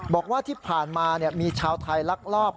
บอกว่าที่ผ่านมาเนี่ยมีชาวไทยรักรอบ